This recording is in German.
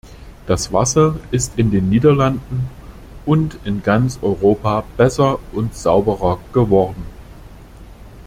Das Wasser ist in den Niederlanden und in ganz Europa besser und sauberer geworden.